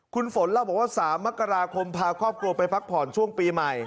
คุณฝนเล่าบอกว่า๓มกราคมพาครอบครัวไปพักผ่อนช่วงปีใหม่